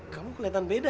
kamu keliatan beda ya